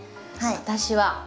私は。